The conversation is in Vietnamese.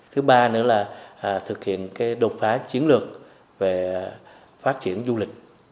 thứ ba nữa là thực hiện cái đột phá chiến lược về phát triển du lịch